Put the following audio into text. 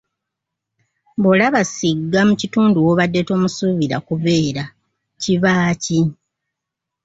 Bw'olaba ssigga mu kitundu w'obadde tomusuubira kubeera, kiba ki?